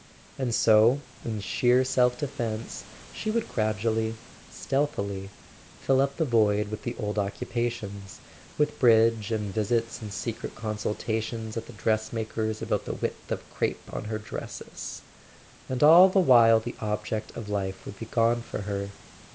And so, in sheer self defence, she would gradually, stealthily, fill up the [ 422 ] A SON AT THE FRONT void with the old occupations, with bridge and visits and secret consultations at the dressmaker's about the width of crape on her dresses; and all the while the object of life would be gone for her.